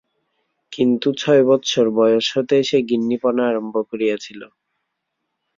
কিন্তু ছয় বৎসর বয়স হইতেই সে গিন্নীপনা আরম্ভ করিয়াছিল।